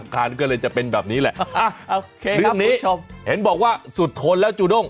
การก็เลยจะเป็นแบบนี้แหละเรื่องนี้ชมเห็นบอกว่าสุดทนแล้วจูด้ง